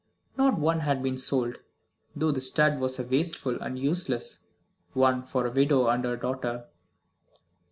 Not one had been sold, though the stud was a wasteful and useless one for a widow and her daughter.